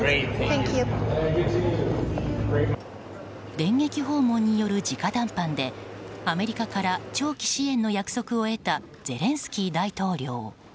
電撃訪問による直談判でアメリカから長期支援の約束を得たゼレンスキー大統領。